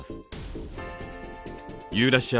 ユーラシア